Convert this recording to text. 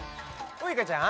ウイカちゃん？